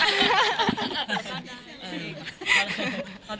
ซาดาเต็มอะไร